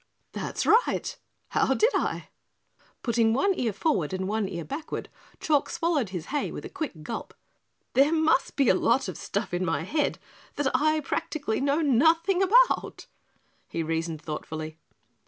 "That's right, how did I?" Putting one ear forward and one ear backward, Chalk swallowed his hay with a quick gulp. "There must be a lot of stuff in my head that I practically know nothing about," he reasoned thoughtfully.